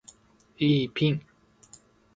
イーピン